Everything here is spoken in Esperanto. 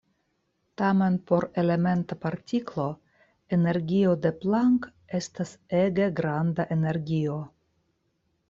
Tamen por elementa partiklo energio de Planck estas ege granda energio.